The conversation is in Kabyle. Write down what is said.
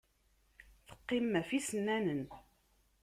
Teqqimem ɣef yisennanen.